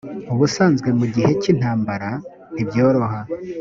ubusanzwe mu gihe cy intambara ntibyoroha